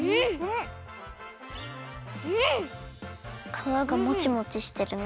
かわがもちもちしてるね。